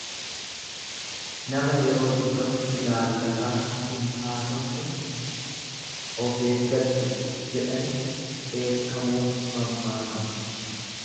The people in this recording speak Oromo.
Nama yeroo dubbatu ilaallataa hin haasofne ofeeggadhu jedhani dheekkamuuf mammaakama.